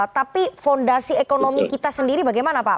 tapi fondasi ekonomi kita sendiri bagaimana pak